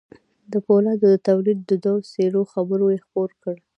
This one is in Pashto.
د پولادو د توليد د دوو څېرو خبر يې خپور کړ.